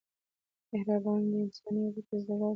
مهرباني د انساني اړیکو زړه دی.